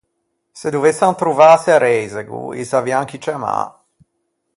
Se dovessan trovâse à reisego, i savian chi ciammâ.